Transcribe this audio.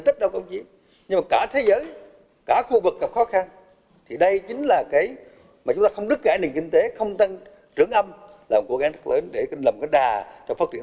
điều này khó khăn cả thế giới cả khu vực thì đây cũng là một cố gắng rất lớn để làm cái đà cho phát triển